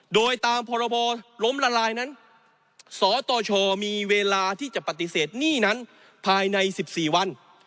โดยตามพรบล้มละลายนั้นสตชมีเวลาที่จะปฏิเสธหนี้นั้นภายใน๑๔วัน